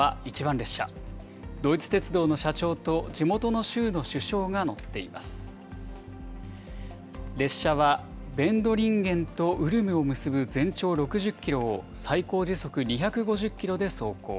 列車は、ヴェンドリンゲンとウルムを結ぶ全長６０キロを最高時速２５０キロで走行。